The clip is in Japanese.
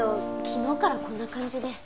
昨日からこんな感じで。